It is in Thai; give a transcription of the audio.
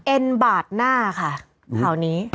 เอ็นบ่าดหน้าค่ะ